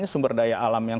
sumber daya alam yang